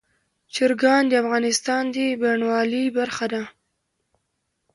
چرګان د افغانستان د بڼوالۍ برخه ده.